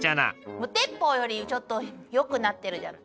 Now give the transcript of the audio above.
無鉄砲よりちょっとよくなってるじゃない。